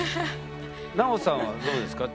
奈緒さんはどうですか？